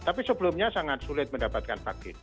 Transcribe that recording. tapi sebelumnya sangat sulit mendapatkan vaksin